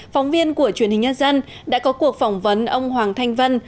phóng viên của truyền hình nhân dân đã có cuộc phỏng vấn ông hoàng thanh vân